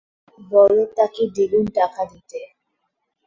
বল তাকে দ্বিগুন টাকা দিতে।